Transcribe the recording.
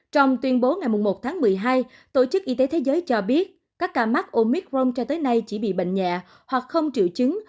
trong tuyên bố ngày một tháng một mươi hai tổ chức y tế thế giới cho biết các ca mắc omicron cho tới nay chỉ bị bệnh nhẹ hoặc không triệu chứng